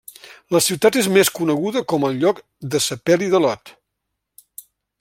La ciutat és més coneguda com el lloc de sepeli de Lot.